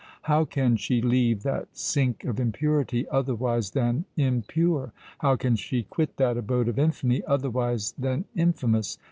How can she leave that sink of impurity, otherwise than impure? how can she quit that abode of infamy, otherwise than infamous?